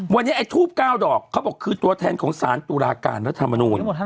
วันนี้ไอ้ทูบ๙ดอกเขาบอกคือตัวแทนของสารตุลาการรัฐมนูล